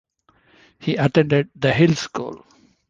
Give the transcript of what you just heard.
He attended The Hill School.